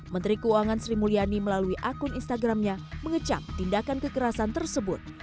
menteri keuangan sri mulyani melalui akun instagramnya mengecam tindakan kekerasan tersebut